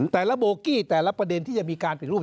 แต่ละโบกี้แต่ละประเด็นที่จะมีการปิดรูป